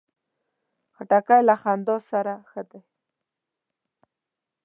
خټکی له خندا سره ښه ده.